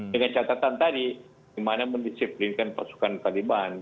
dengan catatan tadi gimana mendisiplinkan pasukan taliban